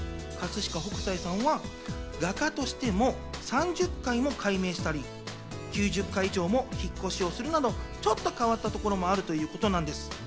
実は葛飾北斎さんは画家としても３０回も改名をしたり９０回以上も引っ越しをするなど、ちょっと変わったところもあるということなんです。